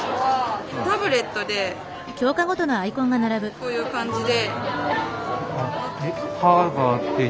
こういう感じで。